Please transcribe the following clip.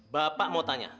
bapak mau tanya